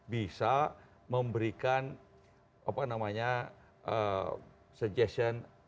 bisa memberikan apa namanya suggestion